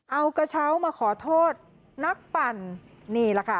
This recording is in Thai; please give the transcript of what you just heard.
เอากระเช้ามาขอโทษนักปั่นนี่แหละค่ะ